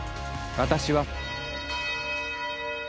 私は。